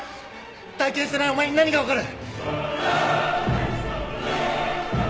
体験してないお前に何が分かる！？